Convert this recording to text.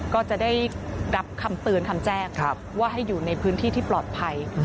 ก็จะได้รับคำเตือนคำแจ้งว่าให้อยู่ในพื้นที่ที่ปลอดภัย